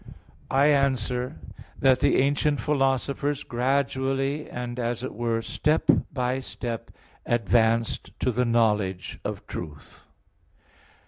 I answer that, The ancient philosophers gradually, and as it were step by step, advanced to the knowledge of truth.